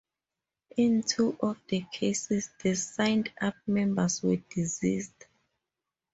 In two of the cases, the signed-up members were deceased.